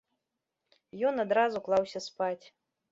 Ён адразу клаўся спаць.